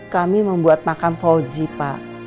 kami membuat makam fauzi pak